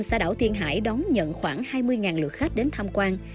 xã đảo tiên hải đón nhận khoảng hai mươi lượt khách đến tham quan